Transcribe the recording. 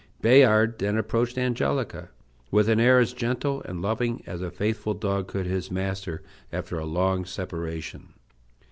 Bayard then approached Angelica with an air as gentle and loving as a faithful dog could his master after a long separation.